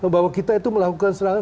bahwa kita itu melakukan serangan